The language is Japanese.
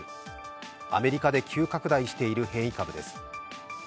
アメリカで急拡大している変異株です。